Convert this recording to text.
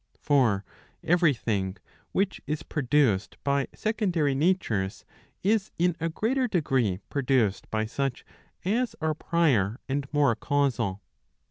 For every thing which is produced by secondary natures, is in a greater degree produced by such as are prior and more causal.